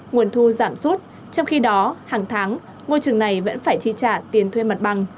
nguồn thu giảm sút trong khi đó hàng tháng ngôi trường này vẫn phải chi trả tiền thuê mặt bằng